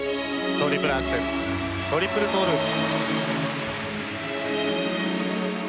トリプルアクセルトリプルトーループ。